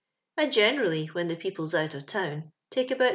" I generally, when the people's out of town, take about 25.